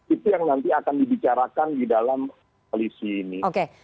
itu yang nanti akan dibicarakan di dalam koalisi ini